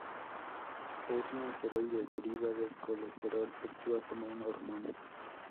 Es un esteroide; deriva del colesterol; actúa como una hormona.